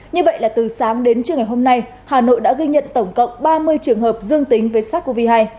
như vậy là từ sáng đến trưa ngày hôm nay hà nội đã ghi nhận tổng cộng ba mươi trường hợp dương tính với sars cov hai